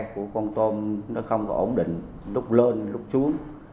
của con tôm nó không có ổn định lúc lên lúc xuống